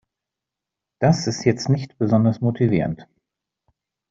Das ist jetzt nicht besonders motivierend.